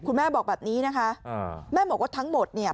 แม่บอกแบบนี้นะคะแม่บอกว่าทั้งหมดเนี่ย